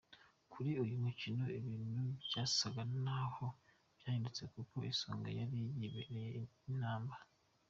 Kuri uyu mukino ibintu bysaga n’aho byahindutse kuko Isonga yari yayibereye ibamba.